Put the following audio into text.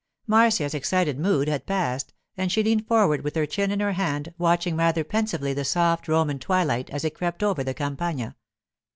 Marcia's excited mood had passed, and she leaned forward with her chin in her hand, watching rather pensively the soft Roman twilight as it crept over the Campagna.